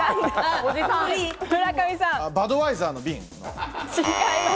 バドワイザーの瓶。